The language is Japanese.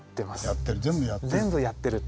やってる。